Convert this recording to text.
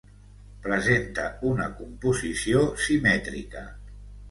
Presenta una composició simètrica.